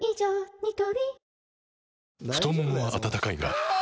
ニトリ太ももは温かいがあ！